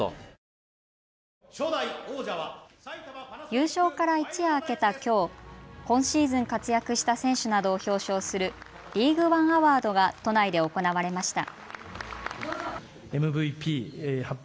優勝から一夜明けたきょう、今シーズン活躍した選手などを表彰するリーグワンアワードが都内で行われました。